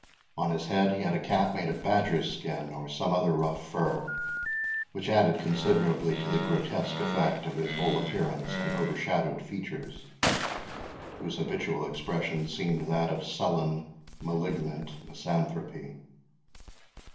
On his head he had a cap made of badger's skin, or some other rough fur, which added considerably to the grotesque effect of his whole appearance, and overshadowed features, whose habitual expression seemed that of sullen malignant misanthropy.